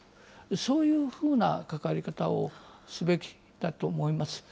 そういうふうな関わり方をすべきだと思います。